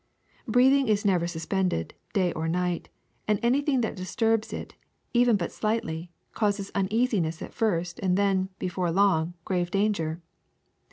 Breathing is never suspended, day or night, and any thing that disturbs it even but slightly causes un easiness at first and then, before long, grave danger.